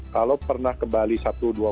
kalau pernah ke bali satu dua